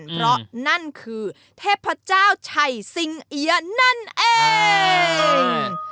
เพราะนั่นคือเทพเจ้าชัยสิงเอี๊ยะนั่นเอง